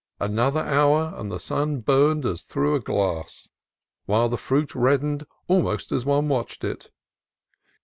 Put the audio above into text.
Another hour, and the sun burned as through a glass, while the fruit reddened almost as one watched it.